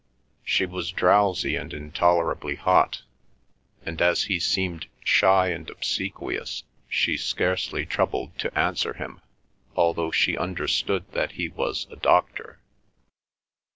She was drowsy and intolerably hot, and as he seemed shy and obsequious she scarcely troubled to answer him, although she understood that he was a doctor.